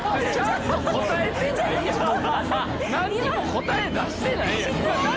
答え出してないやん！